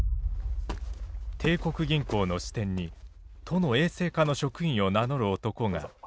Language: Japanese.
帝国銀行の支店に都の衛生課の職員を名乗る男が現れた。